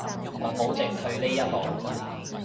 我保證退呢一步